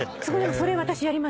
それ私やります。